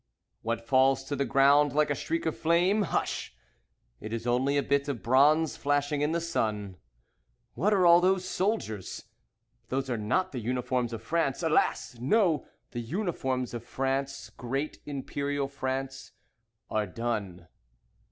What falls to the ground like a streak of flame? Hush! It is only a bit of bronze flashing in the sun. What are all those soldiers? Those are not the uniforms of France. Alas! No! The uniforms of France, Great Imperial France, are done.